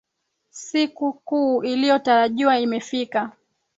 Siku kuu iliyotarajiwa imefika.